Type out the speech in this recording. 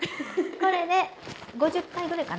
これで５０回ぐらいかな。